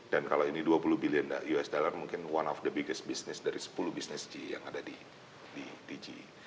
dan kalau ini dua puluh billion us dollar mungkin one of the biggest business dari sepuluh business ge yang ada di ge